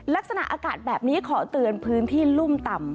ลักษณะอากาศแบบนี้ขอเตือนพื้นที่รุ่มต่ำ